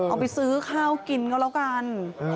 เอาไปซื้อข้าวกินก็แล้วกัน